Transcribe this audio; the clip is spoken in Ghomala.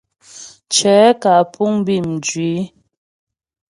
Cɛ̌ kǎ puŋ bí mjwǐ.